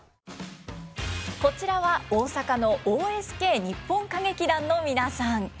こちらは大阪のＯＳＫ日本歌劇団の皆さん。